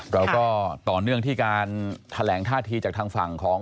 เราก็ต่อเนื่องที่การแถลงท่าทีจากทางฝั่งของ